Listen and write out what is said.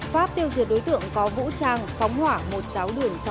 pháp tiêu diệt đối tượng có vũ trang phóng hỏa một giáo đường sáu